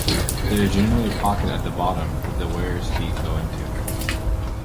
There is generally a pocket at the bottom that the wearer's feet go into.